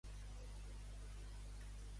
Creu que Puigdemont esdevindrà europarlamentari?